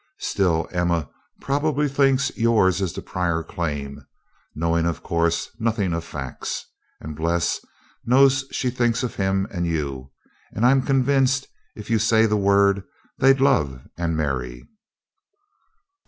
Still, Emma probably thinks yours is the prior claim, knowing, of course, nothing of facts. And Bles knows she thinks of him and you, and I'm convinced if you say the word, they'd love and marry."